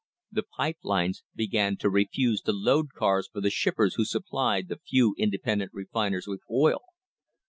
The pipe lines began to refuse to load cars for the shippers who supplied the few inde pendent refiners with oil.